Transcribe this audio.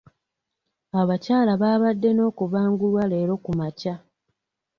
Abakazi baabadde n'okubangulwa leero ku makya.